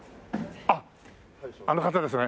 あっあの方ですね。